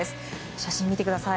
写真を見てください。